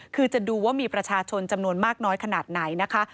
คือจะดูว่ามีประชาชนจำนวนมากน้อยขนาดไหนนะคะ